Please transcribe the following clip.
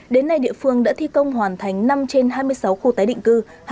đến nay địa phương đã thi công hoàn thành năm trên hai mươi sáu khu tái định cư